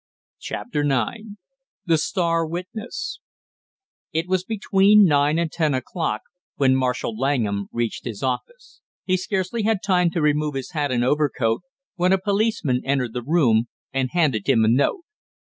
CHAPTER NINE THE STAR WITNESS It was between nine and ten o'clock when Marshall Langham reached his office. He scarcely had time to remove his hat and overcoat when a policeman entered the room and handed him a note.